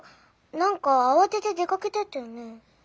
何か慌てて出かけてったよね？